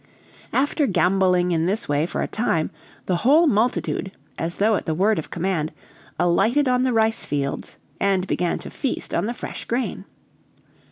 "After gamboling in this way for a time, the whole multitude, as though at the word of command, alighted on the rice fields, and began to feast on the fresh grain.